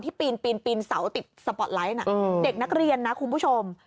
ปีนปีนเสาติดสปอร์ตไลท์เด็กนักเรียนนะคุณผู้ชม